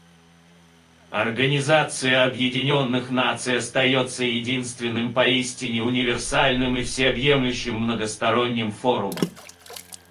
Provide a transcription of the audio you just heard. Организация Объединенных Наций остается единственным поистине универсальным и всеобъемлющим многосторонним форумом.